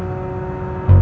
selamat sampai kembali